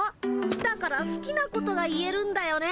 だからすきなことが言えるんだよね。